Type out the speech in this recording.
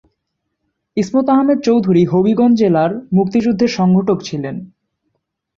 ইসমত আহমেদ চৌধুরী হবিগঞ্জ জেলার মুক্তিযুদ্ধের সংগঠক ছিলেন।